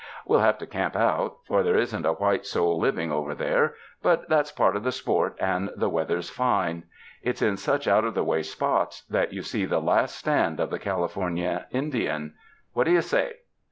We'll have to camp out; for there isn't a white soul living over there, but that's part of the sport and the weather's fine. It's in such out of the way spots that you see the last stand of the California Indian. What do you say?"